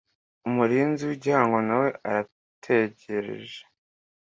Umurinzi w igihango nawe arategereje